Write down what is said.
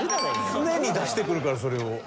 常に出してくるからそれを。